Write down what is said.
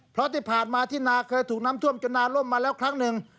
เพราะที่ผ่านมาที่นาเคยถูกน้ำท่วมจนนาล่มมาแล้วครั้งหนึ่ง